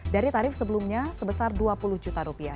dari tarif sebelumnya sebesar dua puluh juta rupiah